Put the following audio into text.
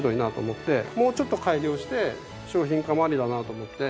もうちょっと改良して商品化もありだなと思って。